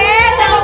eh lari pagi